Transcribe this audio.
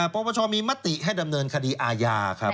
ประพฆมีมติให้ดำเนินคดีอาญา